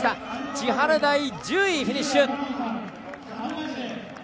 千原台、１０位フィニッシュ。